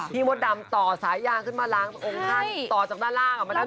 มดดำต่อสายยางขึ้นมาล้างองค์ท่านต่อจากด้านล่างออกมาได้